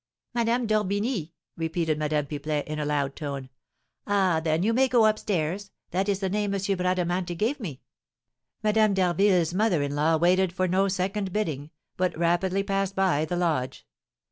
"Madame d'Orbigny!" repeated Madame Pipelet, in a loud tone. "Ah, then you may go up stairs; that is the name M. Bradamanti gave me." Madame d'Harville's mother in law waited for no second bidding, but rapidly passed by the lodge.